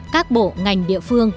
các bộ ngành địa phương